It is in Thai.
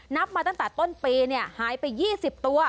นับมาตั้งแต่ต้นปีหายไป๒๐ตัว